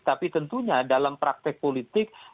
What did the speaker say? tapi tentunya dalam praktek politik